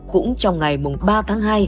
cũng trong ngày ba tháng hai